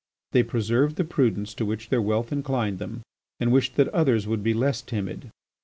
They preserved the prudence to which their wealth inclined them and wished that others would be less timid.